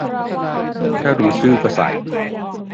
ถ้ารู้ชื่อก็ใส่